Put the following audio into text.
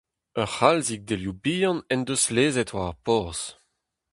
Ur c'halzig delioù bihan en deus lezet war ar porzh.